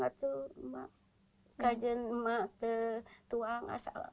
kadang kadang mak tertuang